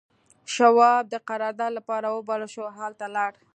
شواب د قرارداد لپاره وبلل شو او هلته لاړ